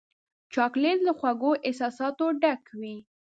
چاکلېټ له خوږو احساساتو ډک وي.